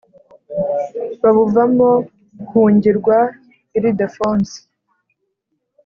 Babuva mo hungirwa Ilidefonsi.